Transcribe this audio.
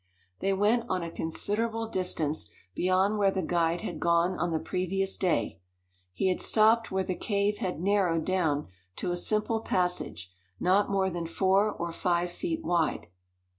They went on a considerable distance beyond where the guide had gone on the previous day. He had stopped where the cave had narrowed down to a simple passage not more than four or five feet wide.